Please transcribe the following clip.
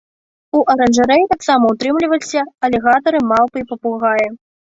У аранжарэі таксама утрымліваліся алігатары, малпы і папугаі.